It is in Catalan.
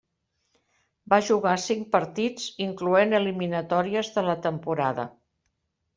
Va jugar cinc partits incloent eliminatòries de la temporada.